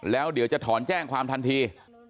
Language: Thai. แล้วเดี๋ยวจะถอนแจ้งความทันที